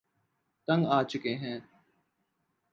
تنگ آچکے ہیں